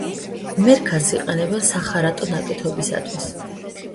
მერქანს იყენებენ სახარატო ნაკეთობისათვის.